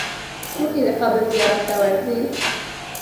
څوک یې د قبر زیارت ته ورځي؟